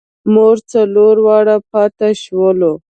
مونږ څلور واړه پاتې شولو.